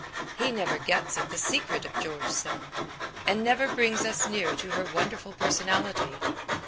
He never gets at the secret of George Sand, and never brings us near to her wonderful personality.